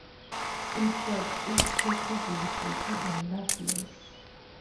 In fact, it's possibly better than Loveless.